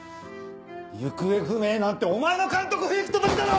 行方不明なんてお前の監督不行き届きだろ！